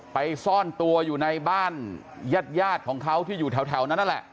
ซ่อนตัวอยู่ในบ้านญาติของเขาที่อยู่แถวนั้นนั่นแหละ